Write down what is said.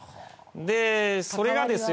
でそれがですよ